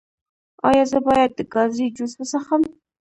ایا زه باید د ګازرې جوس وڅښم؟